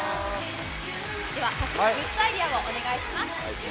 では、早速、グッズアイデアをお願いします。